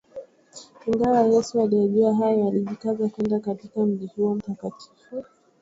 Ingawa Yesu aliyajua hayo alijikaza kwenda katika mji huo mtakatifu